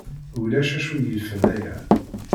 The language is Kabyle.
Ulac acu yifen aya.